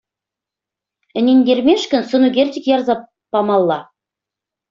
Ӗнентермешкӗн сӑн ӳкерчӗк ярса памалла.